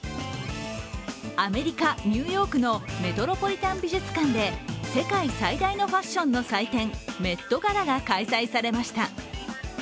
アメリカ・ニューヨークのメトロポリタン美術館で世界最大のファッションの祭典メットガラが開催されました。